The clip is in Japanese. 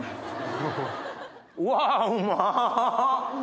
うわうまっ！